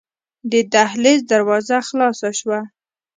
د دهلېز دروازه خلاصه شوه.